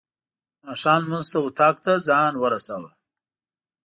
ماښام لمونځ ته اطاق ته ځان ورساوه.